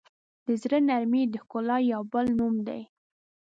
د زړه نرمي د ښکلا یو بل نوم دی.